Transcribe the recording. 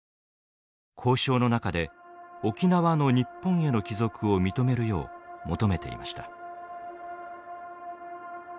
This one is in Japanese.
交渉の中で沖縄の日本への帰属を認めるよう求めていました。